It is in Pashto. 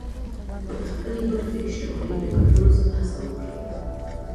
د خپلې برخې شتمني د ګټلو هڅه وکړئ.